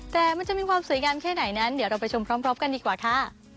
แต่มันจะมีความสวยงามแค่ไหนนั้นเดี๋ยวเราไปชมพร้อมกันดีกว่าค่ะ